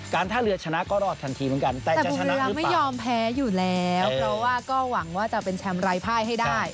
การท่าเรือชนะก็รอดทันทีเหมือนกันแต่จะชนะหรือเปล่า